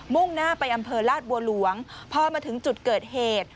่งหน้าไปอำเภอลาดบัวหลวงพอมาถึงจุดเกิดเหตุ